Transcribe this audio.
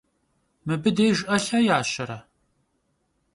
Mıbı dêjj 'elhe yaşere?